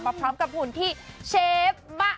กลับมาพร้อมกับหุ่นที่เชฟบ้ะ